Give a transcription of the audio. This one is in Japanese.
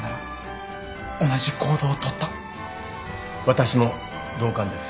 私も同感です。